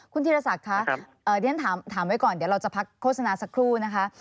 คุณธีรศักดิ์คะเรียนถามไว้ก่อนเดี๋ยวเราจะพักโฆษณาสักครู่นะคะ